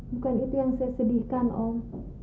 bukan itu yang saya sedihkan om